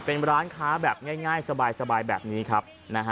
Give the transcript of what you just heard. เป็นร้านค้าแบบง่ายสบายแบบนี้ครับ